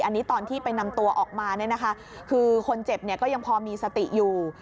อันนี้ตอนที่ไปนำตัวออกมาคือคนเจ็บก็ยังพอมีสติอยู่